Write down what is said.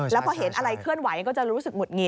แล้วพอเห็นอะไรเคลื่อนไหวก็จะรู้สึกหุดหงิ